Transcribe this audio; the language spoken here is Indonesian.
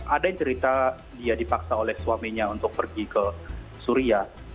ada yang cerita dia dipaksa oleh suaminya untuk pergi ke suria